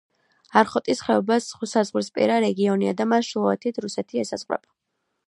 არხოტის ხეობა საზღვრისპირა რეგიონია და მას ჩრდილოეთით რუსეთი ესაზღვრება.